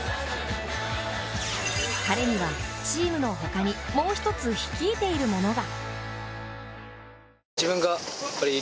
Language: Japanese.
彼にはチームのほかにもうひとつ率いているものが！